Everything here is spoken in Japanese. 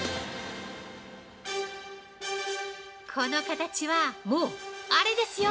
この形は、もう、あれですよ。